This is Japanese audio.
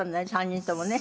３人ともね。